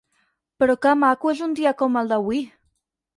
Però que maco és un dia com el d'avui!